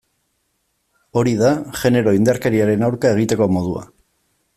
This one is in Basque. Hori da genero indarkeriaren aurka egiteko modua.